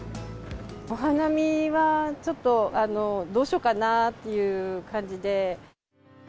お花見はちょっと、どうしようかなっていう感じで。